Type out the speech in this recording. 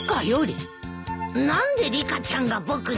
何でリカちゃんが僕に？